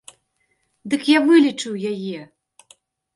Дык я вылічыў яе!